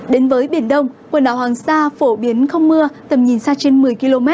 đến với biển đông quần đảo hoàng sa phổ biến không mưa tầm nhìn xa trên một mươi km